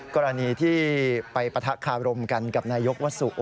กรณีที่ไปปะทะคารมกันกับนายกวัสสุ